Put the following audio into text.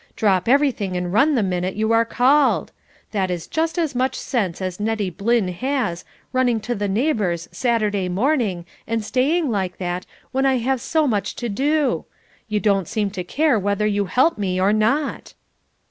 drop everything and run the minute you are called. That is just as much sense as Nettie Blynn has, running to the neighbours Saturday morning, and staying like that, when I have so much to do. You don't seem to care whether you help me or not."